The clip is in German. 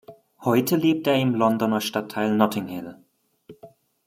Heute lebt er im Londoner Stadtteil Notting Hill.